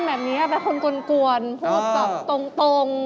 ชอบภาพคนแบบนี้แบบคนกุลกวนพูดแบบตรง